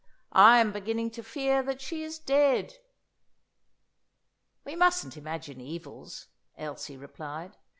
I am beginning to fear that she is dead." "We mustn't imagine evils," Elsie replied.